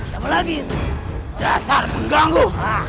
siapa lagi itu dasar mengganggu